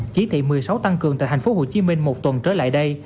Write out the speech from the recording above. chí thị một mươi sáu tăng cường tại thành phố hồ chí minh một tuần trở lại đây